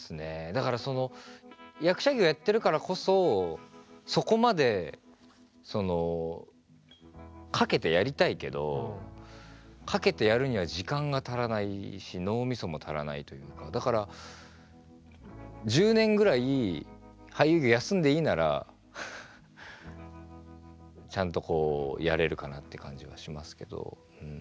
だからその役者業やってるからこそそこまで懸けてやりたいけど懸けてやるには時間が足らないし脳みそも足らないというかだから１０年ぐらい俳優業休んでいいならちゃんとこうやれるかなって感じはしますけどうん。